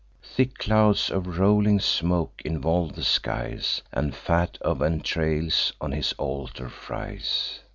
Thick clouds of rolling smoke involve the skies, And fat of entrails on his altar fries.